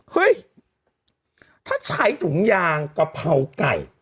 เฮ้ยถ้าใช้ถุงยางกะเพราไก่